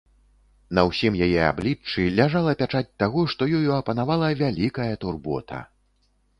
На ўсім яе абліччы ляжала пячаць таго, што ёю апанавала вялікая турбота.